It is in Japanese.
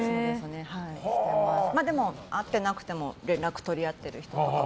でも会ってなくても連絡とり合ってる人とかも。